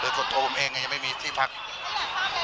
หรือก็ตัวผมเองยังไม่มีที่พักส่วนตัว